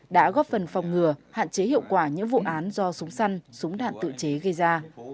đã góp phần phòng ngừa hạn chế hiệu quả những vụ án do súng săn súng đạn tự chế gây ra